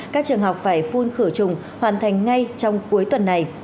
các trường học phải phun khử trùng hoàn thành ngay trong cuối tuần này